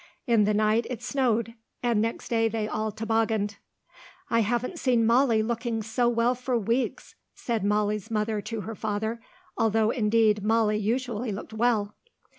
In the night it snowed, and next day they all tobogganed. "I haven't seen Molly looking so well for weeks," said Molly's mother to her father, though indeed Molly usually looked well.